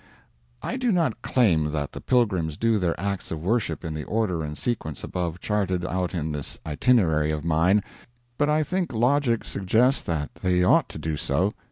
I do not claim that the pilgrims do their acts of worship in the order and sequence above charted out in this Itinerary of mine, but I think logic suggests that they ought to do so.